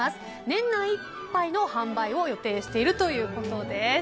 年内いっぱいの販売を予定しているということです。